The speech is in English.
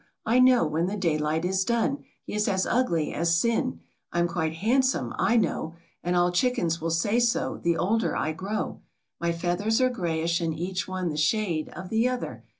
I know when the daylight is done, He's as ugly as sin. I'm quite handsome, I know; And all chickens will say so, the older I grow. My feathers are greyish, and each one the shade Of the other.